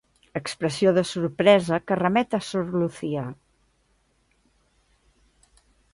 Expressió de sorpresa que remet a sor Lucía.